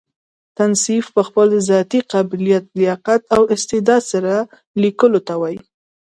تصنیف په خپل ذاتي قابلیت، لیاقت او استعداد سره؛ ليکلو ته وايي.